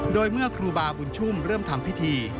โดยเมื่อครูบาบุญชุ่มเริ่มทำพิธี